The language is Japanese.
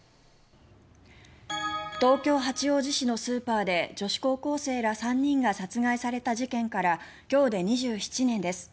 東京・八王子市のスーパーで女子高校生ら３人が殺害された事件から今日で２７年です。